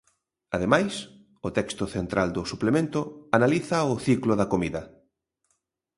Ademais, o texto central do suplemento analiza o ciclo da comida.